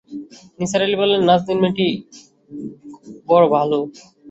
নিসার আলি বললেন, নাজনীন মেয়েটি বড় ভালো।